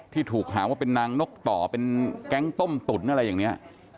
ถูกหาว่าเป็นนางนกต่อเป็นแก๊งต้มตุ๋นอะไรอย่างนี้